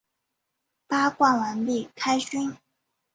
八卦完毕，开勋！